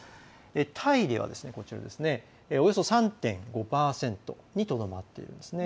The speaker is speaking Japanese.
タイでは、およそ３．５％にとどまっているんですね。